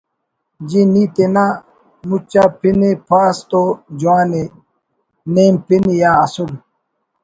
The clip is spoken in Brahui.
”جی نی تینا مچ آ پن ءِ پاس تو جوان ءِ نیم پن یا اسل